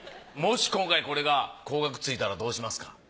もし今回これが高額ついたらどうしますか？